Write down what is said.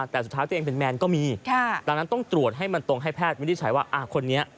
ที่ต้องตรวจเพราะบนคนเนี่ย